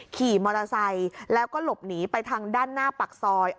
ขี่มอเตอร์ไซค์แล้วก็หลบหนีไปทางด้านหน้าปากซอย